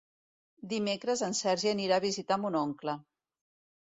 Dimecres en Sergi anirà a visitar mon oncle.